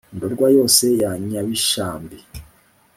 I Ndorwa yose ya Nyabishambi